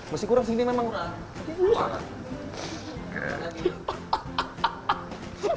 mesti kurang sih ini memang kurang